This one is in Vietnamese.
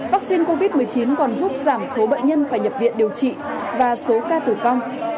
vaccine covid một mươi chín còn giúp giảm số bệnh nhân phải nhập viện điều trị và số ca tử vong